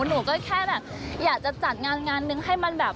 หนูก็แค่แบบอยากจะจัดงานงานนึงให้มันแบบ